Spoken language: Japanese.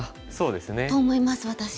そうですね。と思います私。